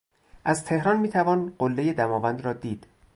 از تهران میتوان قلهی دماوند را دید.